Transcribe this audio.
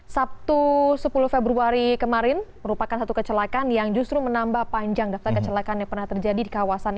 sabtu sepuluh februari kemarin merupakan satu kecelakaan yang justru menambah panjang daftar kecelakaan yang pernah terjadi di kawasan ini